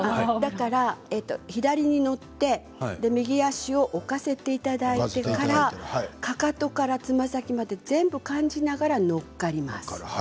左に乗って右足を置かせていただいてからかかとからつま先まで全部感じながら乗っかります。